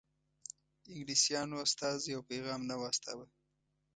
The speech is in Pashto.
انګلیسیانو استازی او پیغام نه و استاوه.